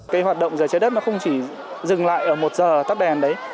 cái hoạt động giờ trái đất nó không chỉ dừng lại ở một giờ tắt đèn đấy